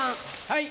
はい。